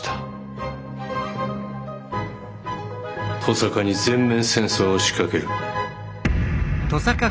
登坂に全面戦争を仕掛ける。